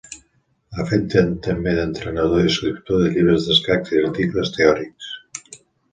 Ha fet també d'entrenador i d'escriptor de llibres d'escacs i d'articles teòrics.